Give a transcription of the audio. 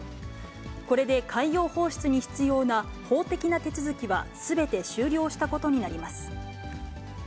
これで海洋放出に必要な法的な手続きはすべて終了したことになります。